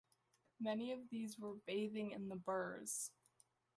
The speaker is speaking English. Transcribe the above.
Many of these were bathing in the Birs.